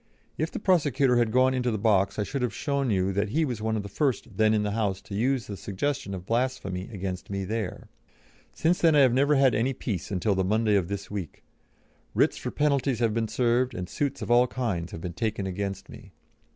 If the prosecutor had gone into the box I should have shown you that he was one of the first then in the House to use the suggestion of blasphemy against me there. Since then I have never had any peace until the Monday of this week. Writs for penalties have been served, and suits of all kinds have been taken against me.